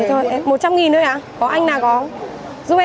em cảm ơn nhé